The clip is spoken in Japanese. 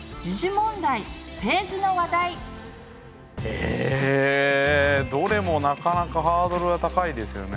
えどれもなかなかハードルが高いですよね。